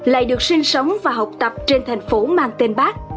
lại được sinh sống và học tập trên thành phố mang tên bác